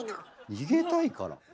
逃げたいから？